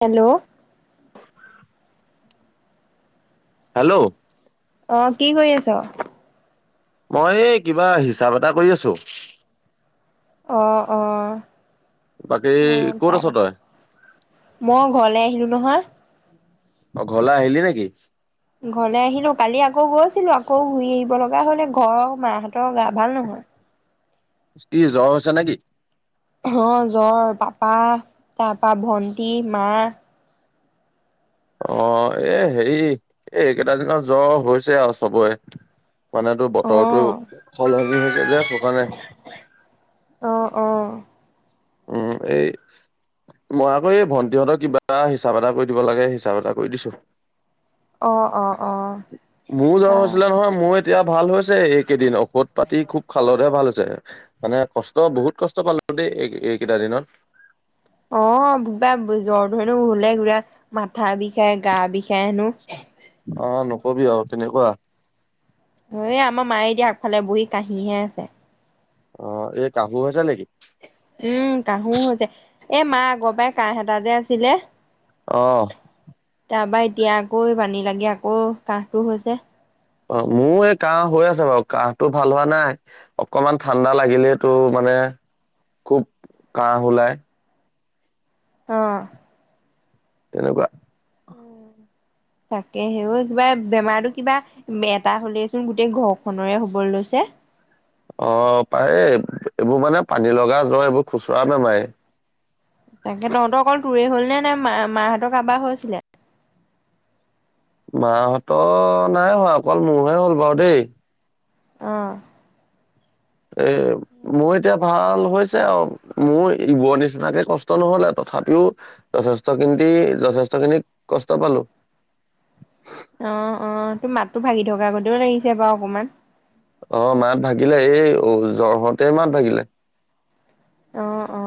Hello. Hello. অ', কি কৰি আছ? মই এই কিবা হিচাপ এটা কৰি আছো। অ', অ'। বাকী অ', ক'ত তাই আছ তই মই ঘৰলে আহিলো নহয়। অ', ঘৰলৈ আহিলি নেকি? ঘৰলে আহিলো কালি আকৌ গৈছিলো আকৌ ঘূৰি আহিব লগা হ'লে ঘৰৰ মাহঁতৰ গা ভাল নহয়। হয়। কি জ্বৰ হৈছে নেকি? অ', জ্বৰ পাপা, তাৰ পৰা ভন্টি, মা। অ', এ হেৰি এই কেইটাদিনৰত জ্বৰ হৈছে আৰু চবৰে। মানেতো অ বতৰটো সলনি হৈছে যে সুকাৰনে। অ অ উম, এই মই আকৌ এই ভন্টিহঁতৰ কিবা হিচাপ এটা কৰি দিব লাগে হিচাপ এটা কৰি দিছো। অ অ অ মোৰ জ্বৰ হৈছিলে নহয় মই এতিয়া ভাল হৈছে এইকেইদিন ঔষধ পাতি খুব খালতহে ভাল হৈছে, মানে কষ্ট বহুত কষ্ট পালো। তে এই কেইটা দিনত। অ', বা জ্বৰ ধৰেনো হ'লে গৰা মাথা বিষ বিষায় গা বিষাই হেনো। অ নকবি আৰু তেনেকুৱা। এ আমাৰ মায়ে দিয়া আগফালে বুহি কাঁহিহে আছে। অ', এই কাঁহো আছা নেকি? উম, কাঁহো হৈছে এ মা আগৰ পৰাাই কাঁহ এটা যে আছিলে। অ'। তাৰপা এতিয়া আকৌ পানী লাগে আকৌ কাঁহটো হৈছে। অ', মোৰ এই কাঁহ হৈ আছে বাৰু কাহটো ভাল হোৱা নাই অকমান ঠাণ্ডা লাগিলেতো মানে খুব কাঁহ ওলাই। অ'। তেনেকুৱা উম। তাকে সেইও কিবা বেমাৰটো কিবা এটা হ'লেচোন গোটেই ঘৰখনেৰে হ'ব লৈছ যে অ', প এই এইবোৰ মানে পানী লগা জ্বৰ এইবোৰ খুচুৰা নে মায় তাকে তহঁতৰ অকল তোৰে হ'ল নে নাই মা মাহঁতৰ কাৰোবাৰ হৈ আছিলে? মাহঁতৰ নাই হয় অকল মোৰহে হ'ল বাৰু দেই। অহ ', এ মই এতিয়া ভাল। হৈছে মোৰ ইবোৰৰ নিচিনাকে কষ্ট নহলে তথাপিও যথেষ্ট কিনি যথেষ্ট খিনি কষ্ট পালো। অ - অ তোৰ মাততটো ভাগি থকা গতিও লাগিছে বাৰু অকমান। অ, মাত ভাগিলে এই জ্বৰহতে মাত ভাগিলে। অ - অ। অ,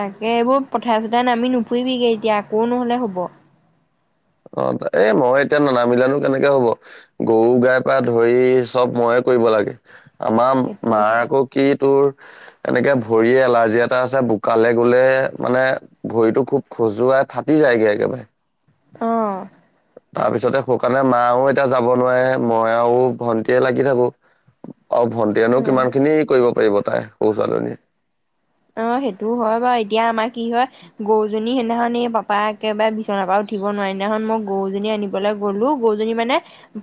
তাকে এইবোৰ পথাৰ চথাই নামি নুফুৰিবিগে এতিয়া আকৌ নহলে হব। অ, এ মই এতিয়া ননামিলানো কেনেকে হব গৰু গাই প ধৰি চব মই কৰিব লাগে আমাৰ সেইটো মাৰ আকৌ কি তোৰ এনেকে ভৰিয় এলাৰ্জি এটা আছে বোকালে গলে মানে ভৰিতটো খুব খজোৱা ফাটি যায়গে একেবাৰে। অ [inaudible] তাৰপিছতে শুকানে মাও এতিয়া যাব নোৱাৰে মইও ভন্টিয়ীয়ে লাগি থাকো। আৰু ভণ্টিয়েনো অ কিমান খিনি কৰিব পাৰিব তাই সৰু ছোৱালী জনীয়ে। অ, সেইটোও হয় বাৰু এতিয়া আমাৰ কি হয় গৰুজনী সিদিনাখন এই পাপা একেবাৰে বিচনা পৰা উঠিব নোৱাৰা দিনাখন মই গৰুজনী আনিবলৈ গ'লো গৰুজনী মানে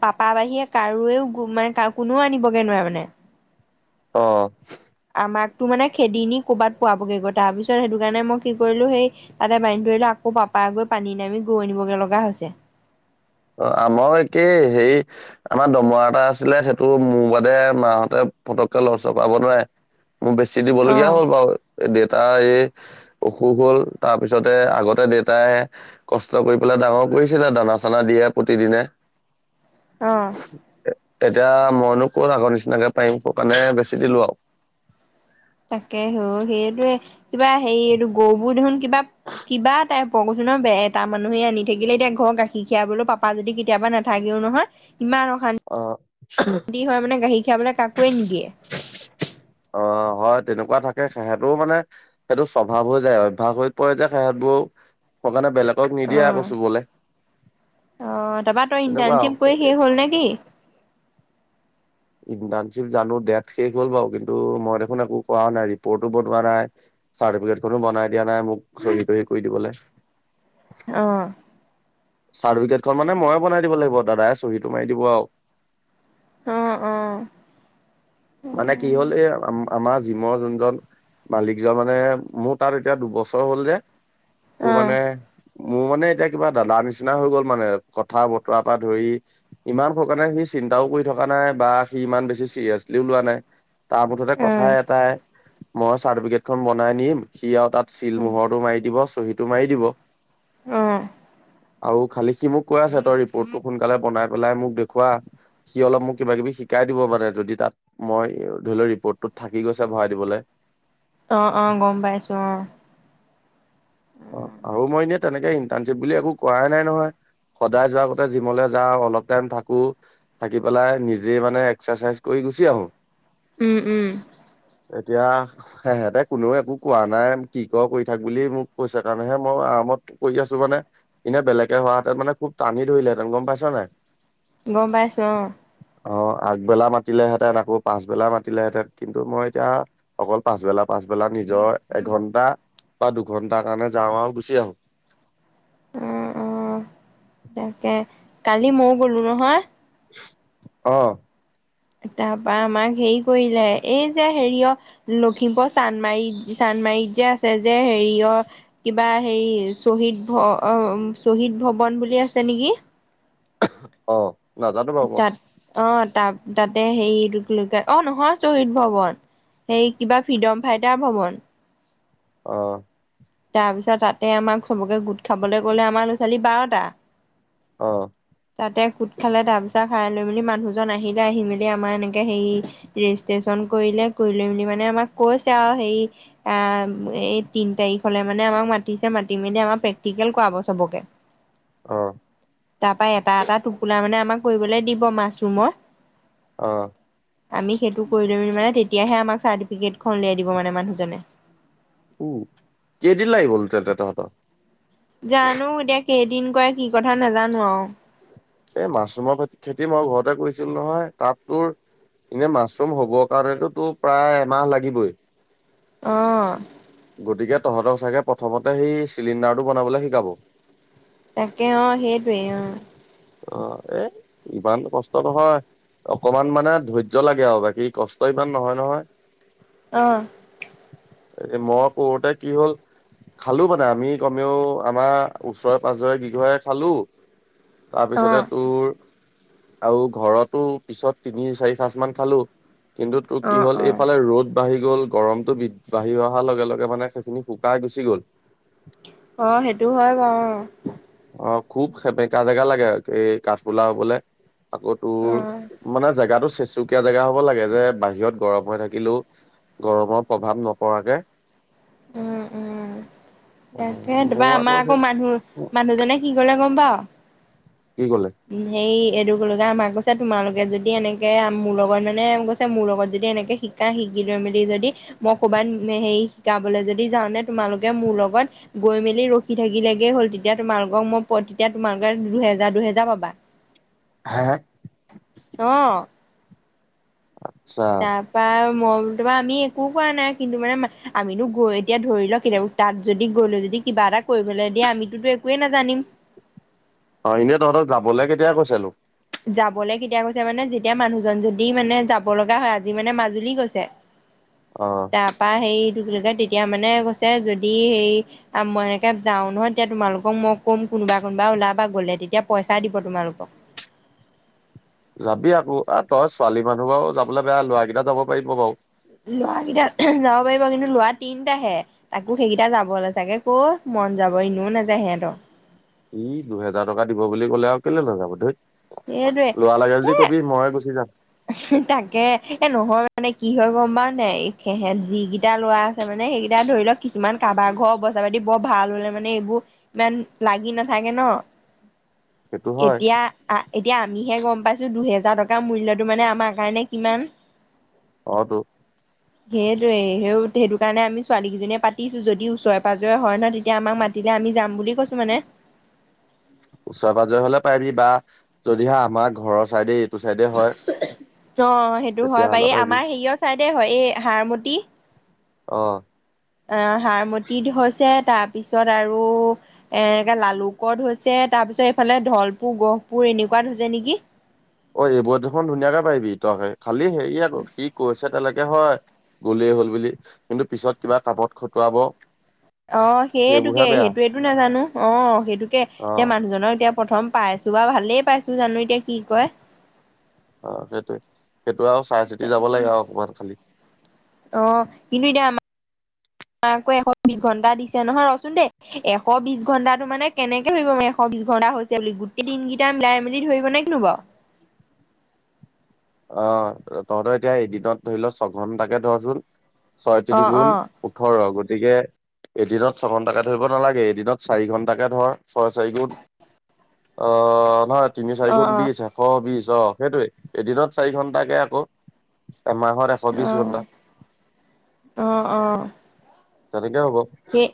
পাপা বাহিৰে কাৰোও মানে কোনেও আনিবগজ নোৱাৰে মানে। অ', আমাকতো মানে খেদি নি কৰ'বাত পোৱাবগৈ তাৰ পিছত সেইটো কাৰণে মই কি কৰিলো সেই তাতে বান্ধ ধৰি লও আকৌ পাপাই গৈ পানী নামি গৰু আনিবগৈ লগা হৈছে। অ, আমাৰো একেই হেৰি আমাৰ দমৰা এটা আছিলে সেইটো মোৰ বাদে মাহতে ফটককে লৰচৰ কৰাব নোৱাৰে মোৰ বেছি দিব অ লগীয়া হ'ল বাৰু। দেউতাৰ এই অসুখ হ'ল তাৰ পিছতে আগতে দেউতাই কষ্ট কৰি পেলাই ডাঙৰ কৰিছিলে দানা চানা দিয়ে প্ৰতিদিনে। অ', এতিয়া মইনো ক'ত আগৰ নিচিনাকে পাৰিম কাৰণে বেছি দিলো আৰু। তাকেহে অ, সেইটোয়ে কিবা হেৰি এইটো গৰুবোৰ দেখোন কিবা - কিবা টাইপ ক কৈছো ন এটা মানুহে আনি থাকিলে এতিয়া ঘৰৰ গাখীৰ খীৰাবলৈও পাপা যদি কেতিয়াবা নাথাকেও নহয়। ইমান অ অশান্তি হয় মানে গাখীৰ খীৰাবলৈ কাকোৱে নিদিয়ে। অ, হয়। তেনেকুৱা থাকে সেহতৰো মানে সেইটো স্বভাৱ হৈ যায় অভ্যাস হৈ পৰে যে সেহতবোৰো ই হেইকাৰণে বেলেগক অ নিদিয়ে আকৌ চুবলে। অ, তাৰাপা তই তেনেকুৱা আৰু ইণ্টাৰ্ণশ্বিপ কৰি শেষ হল নে কি। ইনটাৰ্ণশ্বিপ জানো ডেট শেষ হ'ল বাৰু কিন্তু মই দেখোন একো কৰা নাই ৰিপৰ্টো বনোৱা নাই। চাৰ্টিফিকেট খনো বনাই দিয়া নাই মোক চহী তহী কৰি দিবলৈ। অ', চাৰ্টিফিকেটখন মানে ময়ে বনাই দিব লাগিব দাদাই চহীটো মাৰি দিব আৰু। অ - অ। মানে কি হ'ল এই আমাৰ জিমৰ যোনজন মালিকজন মানে মোৰ তাত এতিয়া দুবছৰ হ'ল যে তোৰ মানে মোৰ মানে এতিয়া কিবা দাদাৰ নিচিনা হৈ গ'ল মানে কথা বতৰা পৰা ধৰি ইমান সোনকালে চিন্তাও কৰি থকা নাই বা সি ইমান বেছি চিৰিয়াছ লিও লোৱা নাই তাৰ মুঠতে কথা এটাই মই চাৰ্টিফিকেট খন বনাই নিম সি আৰু তাত চিল মোহৰটো মাৰি দিব চহীটো মাৰি দিব। অ', আৰু খালি সি মোক কৈ আছে তই ৰিপৰ্টটো সোনকালে বনাই পেলাই মোক দেখুওৱা সি অলপ মোক কিবা কিবি। শিকাই দিব মানে যদি তাত মই ধৰি লও ৰিপৰ্টটোত থাকি গৈছে ভৰাই দিবলৈ। অ - অ গম পাইছো অ, [inaudible] অ, আৰু মই এনে তেনেকে ইণ্টাৰ্ণশ্বিপ বুলি একো কৰাই নাই নহয়। সদায় যোৱাৰ আগতে জিমলে যাওঁ, অলপ টাইম থাকো, থাকি পেলাই নিজে মানে এক্সাৰচাইজ কৰি গুছি ছি আহো। উম, উম। এতিয়া সেহেঁতে কোনেও একো কোৱা নাই কি কৰ কৰি থাক বুলি মোক কৈছে কাৰণেহে মই আৰা- মত কৰি আছো মানে এনে বেলেগে হোৱাহেতেন মানে খুব টানি ধৰিলেহেঁতেন গম পাইছা নাই। গম পাইছো অ'। অ, আগবেলা মাতিলেহেঁত ন আকৌ পাছবেলা মাতিলেহেঁতেন কিন্তু মই এতিয়া অকল পাছবেলা পাছবেলা নিজৰ এঘন্টা বা দুঘন্টাৰ কাৰণে যাওঁ আৰু গুচি আহো। অ অ অ তাকে কালি ময়ো গ'লো নহয়। অ'। তাৰপা আমাক হেৰি কৰিলে এই যে হেৰি অ' লখিমপুৰ চান্দমাৰি চান যে আছে যে হেৰি অ' কিবা হেই শ্বহীদ ভ শ্বহীদ ভৱন ভবন বুলি আছে নেকি। অ, নাজানো বাৰু মই তাত অ' তাত তাতে হেই এইটো কি বুলি কয় অ' নহয় শ্বহীদ ভৱন। সেই কিবা ফ্ৰীডম ফাইটাৰ ভৱন। অ'। তাৰপিছত তাতে আমাক চবকে গোট খাবলৈ ক'লে, আমাৰ ল'ৰা ছোৱালী বাৰটা। অ'। তাতে গোট খালে তাৰ পিছত খাই লৈ মেলি মানুহজন আহিলে, আহি মেলি আমাৰ এনেকে হেৰি ৰেজিষ্টেচন কৰিলে, কৰি লৈ মেলি মানে আমাক কৈছে আৰু সেই এ এই তিন তাৰিখলে মানে আমাৰ মাতিছে, মাতি মেলি আমাক প্ৰেক্টিকেল কৰাব চবকে। অ'। তাৰ পৰা এটা এটা টোপোলা মানে আমাক কৰিবলৈ দিব মাছৰুমৰ। অ'। আমি সেইটো কৰি লম মানে তেতিয়াহে আমাক চাৰ্টিফিকেটখন উলিয়াই দিব মানে মানুহজনে। উম কেইদিন লাগিব তহঁতৰ তাত আৰু। জানো এতিয়া কেইদিন কৰে কি কথা নাজানো আৰু। এই মাছৰুমৰ খেতি মই ঘৰতে কৰিছিলো নহয়, তাত তোৰ এনে মাছৰুম হ'ব কাৰণেটো তোৰ প্ৰায় এমাহ লাগিবই। অ', গতিকে, তহঁতৰ চাগে প্ৰথমতে সেই চিলিণ্ডাৰটো বনাবলে শিকাব। তাকে অ' সেইটোৱেই অ'। অ, এ ইমান কষ্ট নহয়। অকমান মানে ধৈৰ্য লাগে আৰু বাকী কষ্ট ইমান নহয়-নহয়। অ'। এ মই কৰোতে কি হ'ল খালো মানে আমি কমেও আমাৰ ওচৰে পাজৰে কিঘৰে খালো। তাৰপিছতে অ' তোৰ আৰু ঘৰতো পিছত তিনি চাৰি সাঁচ মান খালো। কিন্তু তোৰ কি অ' হ'ল অ' এইফালে ৰ'দ বাঢ়ি গ'ল। গৰমটো বাঢ়ি অহাৰ লগে-লগে মানে সেইখিনি শুকাই গুচি গ'ল। অ, সেইটো হয় বাৰু অ'। অ' খুব সেমেকা জেগা লাগে আৰু এই কাঠফুলা হ'বলে। আকৌ তোৰ উম মানে জেগাতটো চেচ চুকীয়া জেগা হ'ব লাগে যে বাহিৰত গৰম হৈ থাকিলেও গৰমৰ প্ৰভাৱ নপৰাকে। উম-উম অ' তাকে ত বা মোৰ আমাৰ আকৌ সেই মানুহ মানুহজনে কি কলে গম পাৱ কি ক'লে উ সেই এইটো লগে আমাক কৈছে তোমালোকে যদি এনেকে মোৰ লগত মানে কৈছে মোৰ লগত যদি এনেকে শিকা শিক লৈ মেলি যদি মই ক'বাত হেৰি শিকাবলৈ যদি যাওঁ নে তোমালোকে মোৰ লগত গৈ মেলি ৰখি থাকিলেগে হ'ল তেতিয়া তোমালোকক মই তেতিয়া তোমালোকে দুহেজা- দুহেজাৰ য পাবা হে আহ আচ্ছা মই তোমা আমি একো কোৱা নাই, কিন্তু মানে আমিনো গৈ এতিয়া ধৰি ল কেতিয়াবা তাত যদি গলো যদি কিবা এটা কৰিবলে দিয়া আমিতোতো একোৱেই নাজানিম অ এনেই তহঁতক যাবলে কেতিয়া কৈছে নো। যাবলৈ কেতিয়া কৈছে মানে যেতিয়া মানুহজন যদি মানে যাব লগা হয় আজি মানে মাজুলী গৈছে। অ' তাৰপা সেই [unintelligible] তেতিয়া মানে কৈছে যদি সেই মই এনেকে যাও নহয়, তেতিয়া তোমালোকক মই ক'ম কোনোবা কোনোবা ওলাবা গ'লে তেতিয়া পইচা দিব তোমালোকক। যাবি আকৌ এ, তই ছোৱালী মানুহ বাৰু যাবলৈ বেয়া ল'ৰা কেইটা যাব পাৰিব বাৰু। লৰাকেইটা যাব পাৰিব কিন্তু লৰা তিনটাহে, তাকো সেইকেইটা যাবলে চাগে ক'। মন যাব ইনও নাযায় সিহঁতৰ। ই, দুহেজাৰ টকা দিব বুলি ক'লে আৰু কেলে নযাব ধৈত। সেইটোৱে ল'ৰা লাগে যদি কবি ময়ে গুচি যাম। তাকে এ নহয় মানে কি হয় গম পাওঁনে সেহেত যিকিটা ল'ৰা আছে মানে সেইকেইটা ধৰি লওক কিছুমান কাবাৰ ঘৰৰ অৱস্থা পাতি বৰ ভাল নহলে মানে এইবোৰ ইমান লাগি নাথাকে ন'। অ, সেইটো হয় এতিয়া আ-এতিয়া আমিহে গম পাইছো দুহেজাৰ টকাৰ মূল্য। মানে আমাৰ কাৰণে কিমান? অটো। সেইটোয়েই সেই-সেইটো কাৰণে আমি ছোৱালী কেইজননেীয়ে পাতিছো যদি ওচৰে পজৰে হয় নহয় তেতিয়া আমাক মাতি দিলে আমি যাম বুলি কৈছো মানে। ওচৰে পাজৰে হলে পাৰিবি বা যদিহে আমাৰ ঘৰৰ চাইডে এইটো চাইডে হয়। অ, সেইটো হয় বাৰ তেতিয়াহ'লে এই পাৰিবি আমাৰ হেৰিয়ৰ চাইডে হয় এই হাৰমটি। অ। আ, হাৰমতিত হৈছে তাৰ পিছত আৰু এ, এনেকাে লালুকত হৈছে তাৰ পিছত এইফালে ধলপুৰ গহপুৰ। এনেকুৱাত হৈছে নেকি। অ, এইবোৰত দেখোন ধুনীয়াকে পাৰিবি তই হে, খালি হেৰি আকৌ সি কৈ ছে তেনেকে হয় গ'লেই হল বুলি, কিন্তু পিছত কিবা কামত খটুৱাব। অ, সেইটোকে সেইবোৰহে বেয়া সেইটোয়েতো নাজানো অ', সেইটোকে অ এতিয়া মানুহজননৰ এতিয়া প্ৰথম পাইছো বা ভালেই পাইছো জানো এতিয়া কি কয়। অ সেইটোয়ে সেইটোয়ে সেইটো আৰু চাই চিতি যাব তাকে লাগে আৰু অকমান খালি। [inaudible] ম, আকৌ এশ বিশ ঘণ্টা দিছে নহয়, ৰচোন দে এশ বিশ ঘণ্টাটো মানে কেনেকে ধৰিম আমি এশ বিশ। ত, ঘন্টা হৈছে বুলি গোটেই দিনকেইটা মিলাই মেলি ধৰিব নে কিনো বাৰু। অ, তহঁতৰ এতিয়া এদিনত ধৰি ল ছঘন্টাকে ধৰচোন। ছয় অ তিনি গুণ অ ওঠৰ গতিকে? এদিনত ছঘন্টাকে ধৰিব নালাগে এদিনত চাৰি ঘন্টাকে ধৰ ছয় চাৰি গুণ? অ', নহয়। তিনি চাৰি অ গুণ বিশ এশ বিশ অ, সেইটোয়েই এদিনত চাৰি ঘন্টাকে আকৌ। এমাহত এশ অ বিশ ঘণ্টা। অ অ অ সেইটোৱেই হ'ব। সেই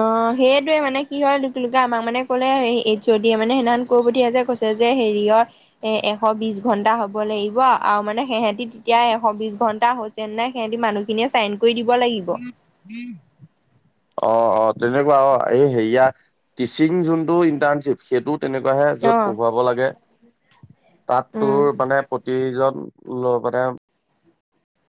অ', সেইটোয়ে মানে কি হয় দুুকুলুকে আমাক মানে ক'লে, এইচ অ' ডি য়ে মানে হেইদিনাখন কৈ পঠিয়া যে কৈছে। যে হেৰিয়ৰ এ-এশ বিশ ঘন্টা হব লাগিব আৰু মানে হেহেতি তেতিয়া এশ বিশ ঘ ঘণ্টা হৈছে নে নাই সিহতে মানুহখিনিয়ে চাইন কৰি দিব লাগিব অ', অ'। তেনেকুৱা আৰু এ-এই-হেৰিয়া টিচিং যোনটো ইন্টাৰণশ্বিপ সেইটোত তেনেকুৱাহে অ য'ত পঢ়োৱাব লাগে। তাত উম তোৰ মানে প্ৰতিজন [unintelligible]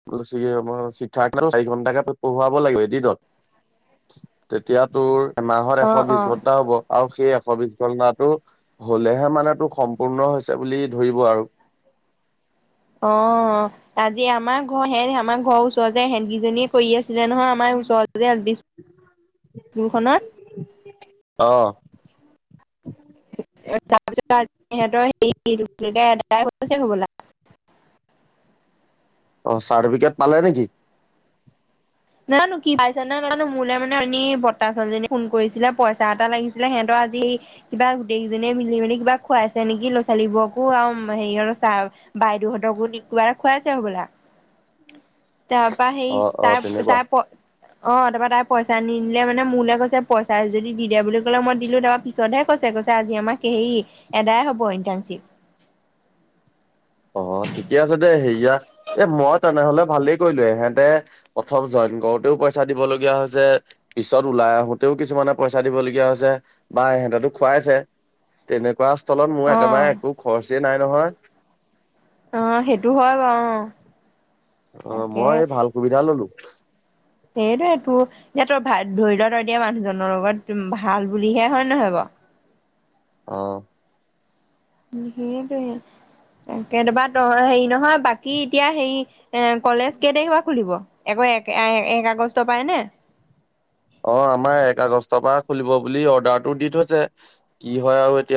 [unintelligible] শিক্ষাৰ্থ চাৰি ঘন্টাকে পঢ়োৱাব লাগিব এদিনত। তেতিয়া তোৰ এমাহত অ এশ অ বিশ ঘন্টা হ'ব আৰু সেই এশ বিশ ঘলনাটো হ'লেহে মানে তোৰ সম্পূৰ্ণ হৈছে বুলি ধৰিব আৰু। অ', আজি আমাৰ ঘৰ হে আমাৰ ঘৰৰ ওচৰৰ যে হেনকেইজনীয়ে কৰি আছিলে নহয় আমাৰ ওচৰৰে এল পি স্কুলখনত। অ', এই-এইটো এদাই হৈছে হ'ব'লা। অ', চাৰ্টিফিকেট পালে নেকি? নাজানো কি পাইছে নে নাই নাজানো মোলৈ মানে এনি বৰতা চলিজনী ফোন কৰিছিলে পইচা এটা লাগিছিলে সিহঁতৰ আজি কিবা গোটেইকেইজনীয়ে মিলি মেলি কিবা খোৱাইছে নেকি ল'ৰা-ছোৱালীবোৰকো আৰু হেৰি হ, আৰু ছাৰ বাইদেউহঁতকো কিবা এটা খোৱাইছে হ'ব'লা। উম। তাৰ পৰা সেই তাৰ তাৰ প অ', তাৰপৰা তাই পইচা নিদিলে মানে মোলে কৈছে পইচা যদি দি দিয়া বুলি কলে মই দিলো তাৰপা পিছতহে কৈছে কৈ কৈছে আজি আমাৰ সেই এদাই হ'ব ইণ্টাৰ্নশ্বিপ। অ', ঠিকে আছে দে হেৰিয়া এ মই তেনেহ'লে ভালেই কৰিলো এহেঁতে প্ৰথম জই কৰোতেও পইচা দিব লগীয়া হৈছে পিছত ওলাই আহোতেও কিছুমানে পইচা দিব লগীয়া হৈছে বা সেহতো খুৱাইছে তেনেকুৱা স্থলত মোৰ অ একেবাৰে একো খৰচেই নাই নহয় আহ সেইটো হয় বাৰু অ', মই ভাল সুবিধা ললো। সেইটোয় তোৰ ই তই ভ ধৰি লতই এ দিয়া মানুহজনৰ লগত ভাল বুলিহে হয় নহয় বাৰু? আহ। সেইটোয়ে কেতিয়াবা হেৰি নহয় বাকী এতিয়া হেৰি এ কলেজ কেই তাৰিখৰ পৰা খুলিব? এক-এক আগষ্ট পাইনে? অ', আমাৰ এক আগষ্টৰ পৰা খুলিব বুলি অৰ্ডাৰটো দি থৈছে কি হয় আৰু এতিয়া।